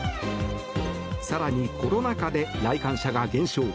更にコロナ禍で来館者が減少。